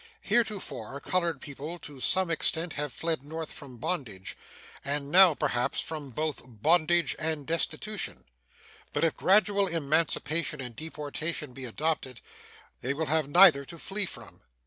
Heretofore colored people to some extent have fled North from bondage, and now, perhaps, from both bondage and destitution. But if gradual emancipation and deportation be adopted, they will have neither to flee from.